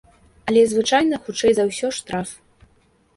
Але звычайна, хутчэй за ўсё, штраф.